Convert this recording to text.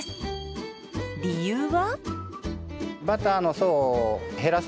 理由は。